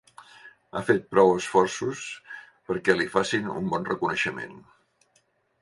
Ha fet prou esforços perquè li facin un bon reconeixement.